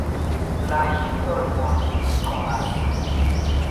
La historion ni konas.